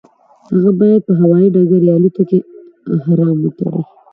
هغه باید په هوایي ډګر یا الوتکه کې احرام وتړي.